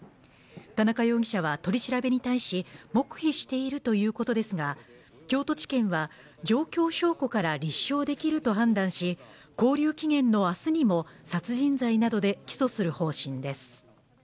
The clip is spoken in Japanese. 田中容疑者は取り調べに対し黙秘しているということですが京都地検は状況証拠から立証できると判断し勾留期限のあすにも殺人罪などで起訴する方針です